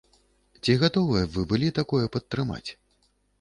Ці гатовыя б вы былі такое падтрымаць?